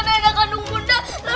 na tunggu bunda na